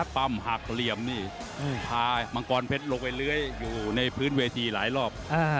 ปั้มหักเหลี่ยมนี่พามังกรเพชรลงไปเลื้อยอยู่ในพื้นเวทีหลายรอบ